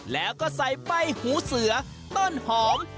แล้วก็ใส่ใบหูเสือต้นหอม